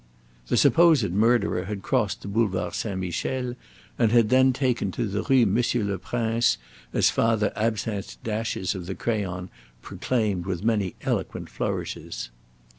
The supposed murderer had crossed the Boulevard Saint Michel, and had then taken to the Rue Monsieur le Prince, as Father Absinthe's dashes of the crayon proclaimed with many eloquent flourishes.